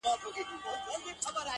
اوس مي له هري لاري پښه ماته ده.